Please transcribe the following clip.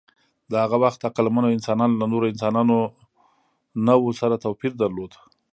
د هغه وخت عقلمنو انسانانو له نورو انساني نوعو سره توپیر درلود.